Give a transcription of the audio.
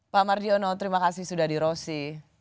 pak mardiono terima kasih sudah di rosi